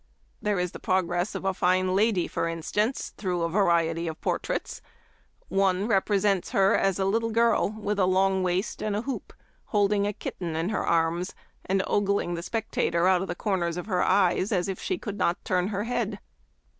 There is the progress of a fine lady, for instance, through a variety of portraits. One represents her as a little girl with a long waist and hoop, holding a kitten in her arms, and ogling the spectator out of the corners of her eyes, as if she could not turn her head.